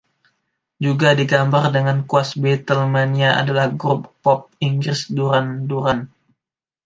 Juga digambar dengan kuas Beatlemania adalah grup pop Inggris Duran Duran.